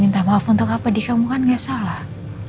minta maaf untuk apa di kamu kan nggak salah